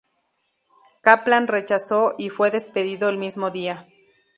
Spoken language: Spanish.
Kaplan rechazó, y fue despedido el mismo día.